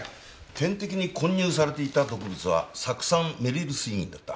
点滴に混入されていた毒物は酢酸メリル水銀だった。